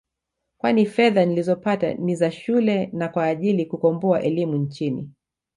kwani fedha nilizopata ni za shule na kwa ajili kukomboa elimu nchini